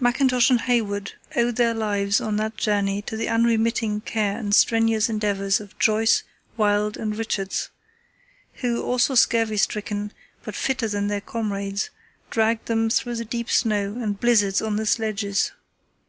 Mackintosh and Hayward owed their lives on that journey to the unremitting care and strenuous endeavours of Joyce, Wild, and Richards, who, also scurvy stricken but fitter than their comrades, dragged them through the deep snow and blizzards on the sledges.